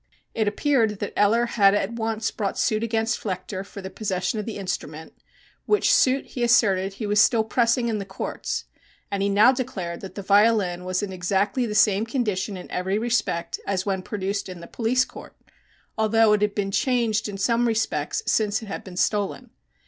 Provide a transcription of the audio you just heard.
It appeared that Eller had at once brought suit against Flechter for the possession of the instrument, which suit, he asserted, he was still pressing in the courts, and he now declared that the violin was in exactly the same condition in every respect as when produced in the police court, although it had been changed in some respects since it had been stolen.